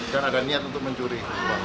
ada niat untuk mencuri